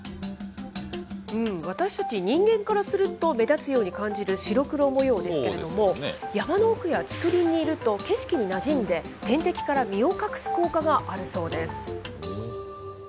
私たち人間からすると、目立つように感じる白黒模様ですけれども、山の奥や竹林にいると景色になじんで、天敵から身を隠す効果があるそうです。